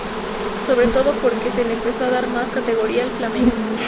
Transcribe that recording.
Sobre todo porque se le empezó a dar más categoría al flamenco.